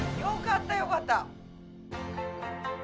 よかったよかった！